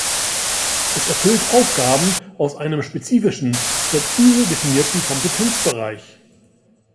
Es erfüllt Aufgaben aus einem spezifischen, präzise definierten Kompetenzbereich.